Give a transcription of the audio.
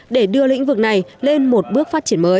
để đưa lĩnh vực này lên một bước phát triển mới